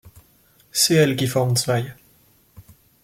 C'est elle qui forme Zwei.